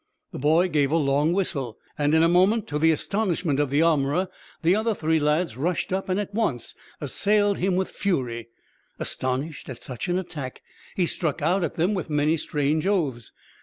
The boy gave a long whistle, and in a moment, to the astonishment of the armorer, the other three lads rushed up, and at once assailed him with fury. Astonished at such an attack, he struck out at them with many strange oaths.